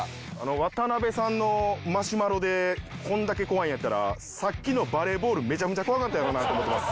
渡辺さんのマシュマロでこんだけ怖いんやったらさっきのバレーボールめちゃめちゃ怖かったやろなと思ってます。